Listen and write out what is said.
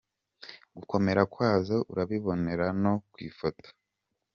Gukomera kwazo urabibonera no ku ifoto.